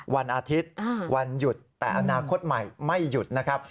วันอาทิตย์วันหยุดแต่อนาคตใหม่ไม่หยุดนะครับ